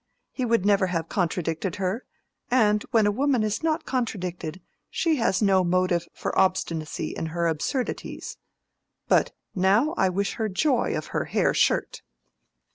He would never have contradicted her, and when a woman is not contradicted, she has no motive for obstinacy in her absurdities. But now I wish her joy of her hair shirt."